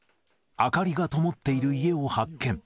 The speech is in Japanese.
明かりがともっている家を発見。